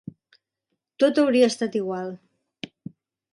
Tot hauria estat igual.